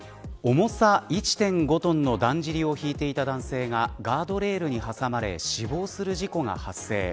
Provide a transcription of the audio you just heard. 重さ１．５トンのだんじりを引いていた男性がガードレールに挟まれ死亡する事故が発生。